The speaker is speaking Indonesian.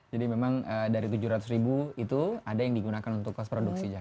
jadi memang dari tujuh ratus itu ada yang digunakan untuk cost produksi jaket